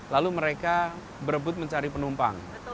lalu mereka berebut mencari penumpang